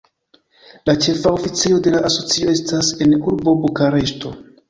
La ĉefa oficejo de la asocio estas en urbo Bukareŝto.